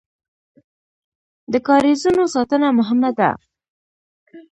د کاریزونو ساتنه مهمه ده